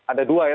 ada dua ya